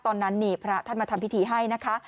ตอนนั้นนี่พระท่านมาทำพิธีให้นะคะ